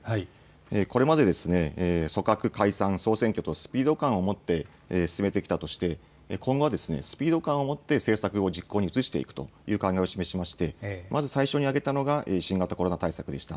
これまで組閣、解散・総選挙と、スピード感を持って、進めてきたとして、今後はスピード感を持って政策を実行に移していくという考えを示しまして、まず最初に挙げたのが、新型コロナ対策でした。